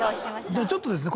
じゃあちょっとですね